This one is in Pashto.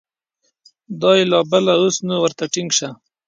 دا یې لا بله ، اوس نو ورته ټینګ شه !